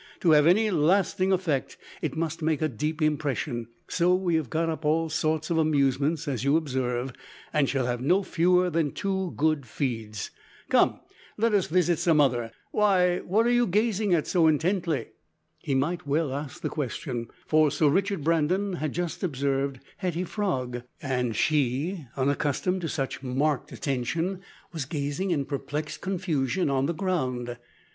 To have any lasting effect, it must make a deep impression. So we have got up all sorts of amusements, as you observe, and shall have no fewer than two good feeds. Come, let us visit some other Why, what are you gazing at so intently?" He might well ask the question, for Sir Richard Brandon had just observed Hetty Frog, and she, unaccustomed to such marked attention, was gazing in perplexed confusion on the ground.